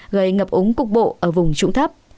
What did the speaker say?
gây ngập úng cục bộ ở vùng trụng thấp